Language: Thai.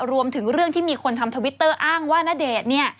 รวมถึงเรื่องที่มีคนทำทวิตเตอร์อ้างว่าณเดชน์เนี่ย